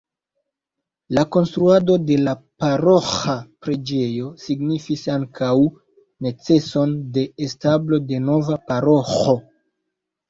La konstruado de la paroĥa preĝejo signifis ankaŭ neceson de establo de nova paroĥo.